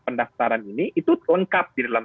pendaftaran ini itu lengkap di dalam